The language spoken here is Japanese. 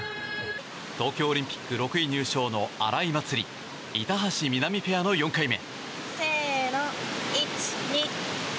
東京オリンピック６位入賞の荒井祭里、板橋美波ペアの４回目。